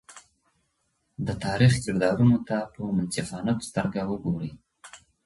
د تاریخ کردارونو ته په منصفانه سترګه وګورئ.